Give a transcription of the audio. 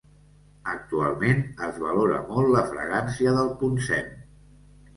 Actualment, es valora molt la fragància del poncem.